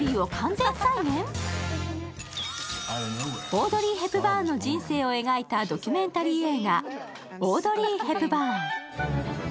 オードリー・ヘプバーンの人生を描いたドキュメンタリー映画、「オードリー・ヘプバーン」。